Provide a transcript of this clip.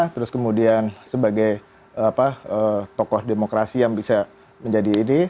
terus kemudian sebagai tokoh demokrasi yang bisa menjadi ini